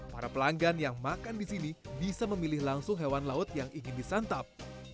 para pelanggan yang makan di sini bisa memilih langsung hewan laut yang ingin disantap